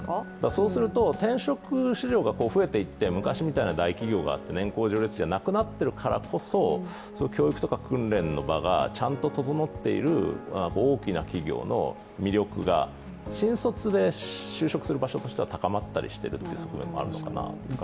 そうなると転職市場が増えて、昔みたいな大企業が年功序列じゃなくなっているからこそ教育とか訓練の場がちゃんと整っている大きな企業の魅力が新卒で就職する場所としては高まっている側面もあるのかなと。